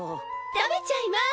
食べちゃいます！